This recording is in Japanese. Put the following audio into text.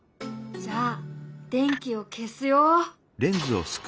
じゃあ電気を消すよ。